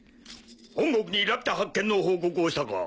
本国にラピュタ発見の報告をしたか？